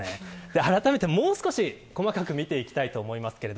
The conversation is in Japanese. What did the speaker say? あらためて、もう少し見ていきたいと思います。